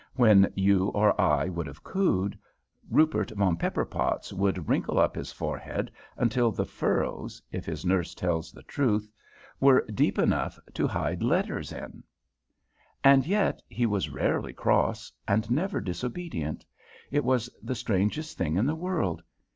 When you or I would have cooed, Rupert von Pepperpotz would wrinkle up his forehead until the furrows, if his nurse tells the truth, were deep enough to hide letters in. [Illustration: "RUPERT WAS ALWAYS MERRY"] "And yet he was rarely cross, and never disobedient. It was the strangest thing in the world.